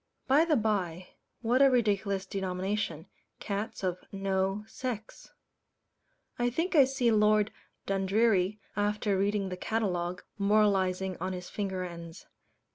By the bye, what a ridiculous denomination "cats of no sex"! I think I see Lord Dundreary, after reading the catalogue, moralizing on his finger ends.